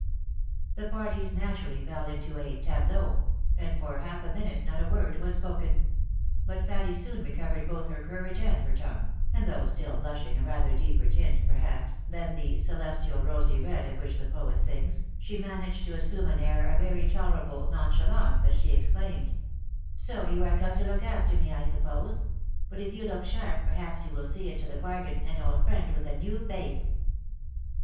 The parties naturally fell into a tableau, and for hall a minute not a word was spoken ; but Patty soon recovered both her courage and her tongue, and though still blushing a rather deeper tint, perhaps, than the celestial rosy red of which the poet sings, she managed to assume an air of very tolerable novr chalance as she exclaimed, " So, you are come to look after me, I suppose ! but if you look sharp, perhaps you will see, into the bargain, an old friend with a new face."